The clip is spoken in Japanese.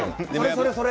それそれ！